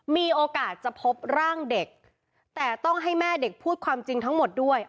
มีโอกาสจะพบร่างเด็กแต่ต้องให้แม่เด็กพูดความจริงทั้งหมดด้วย